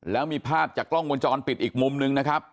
แล้วมีภาพจากกล้องวงจรปิดอีกมุมนึงนะครับ